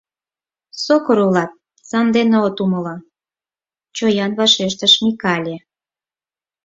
— Сокыр улат, сандене от умыло, — чоян вашештыш Микале.